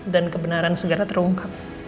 dan kebenaran segera terungkap